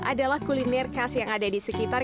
adalah kuliner khas yang ada di sekitar